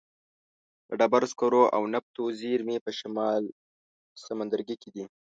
د ډبرو سکرو او نفتو زیرمې په شمال سمندرګي کې دي.